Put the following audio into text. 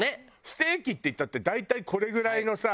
ステーキっていったって大体これぐらいのさ。